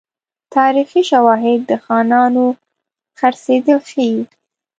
تاریخي شواهد د خانانو خرڅېدل ښيي.